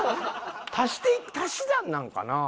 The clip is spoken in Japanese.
足していく足し算なんかな？